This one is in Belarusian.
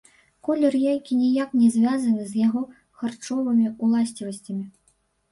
Колер яйкі ніяк не звязаны з яго харчовымі ўласцівасцямі.